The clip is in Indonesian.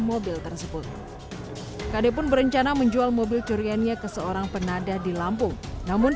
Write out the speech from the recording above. mobil tersebut kd pun berencana menjual mobil curiannya ke seorang penadah di lampung namun